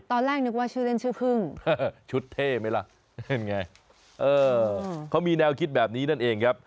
ตอนแรกนึกว่าชุดเรียนชื่อพึ่งชุดเท่ไหมล่ะเขามีแนวคิดแบบนี้นั่นเองครับ